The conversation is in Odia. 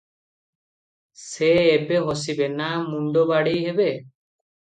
ସେ ଏବେ ହସିବେ, ନା ମୁଣ୍ଡ ବାଡେଇ ହେବେ?